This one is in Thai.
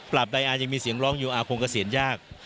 ปราบไดอาร์ยังมีเสียงร้องอยู่อาคงกระเสียญยาก